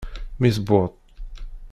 Mi tewweḍ.